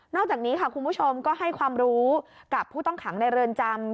อกจากนี้ค่ะคุณผู้ชมก็ให้ความรู้กับผู้ต้องขังในเรือนจำ